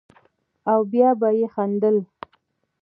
او بيا به يې خندل.